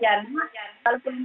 kalau kemungkinan itu